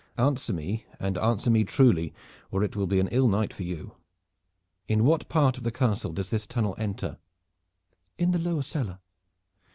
Answer me and answer me truly or it will be an ill night for you. In what part of the Castle does this tunnel enter?" "In the lower cellar."